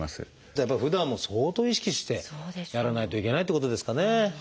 ふだんも相当意識してやらないといけないってことですかね。